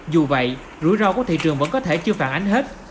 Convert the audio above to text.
dù vậy rủi ro của thị trường vẫn có thể chưa phản ánh hết